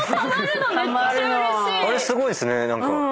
あれすごいですね何か。